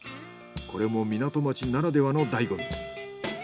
これも港町ならではの醍醐味。